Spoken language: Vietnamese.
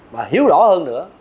và hiếu rõ hơn